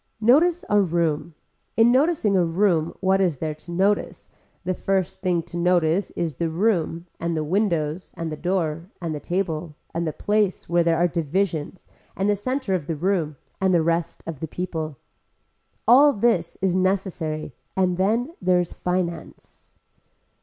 Notice a room, in noticing a room what is there to notice, the first thing to notice is the room and the windows and the door and the table and the place where there are divisions and the center of the room and the rest of the people. All this is necessary and then there is finance.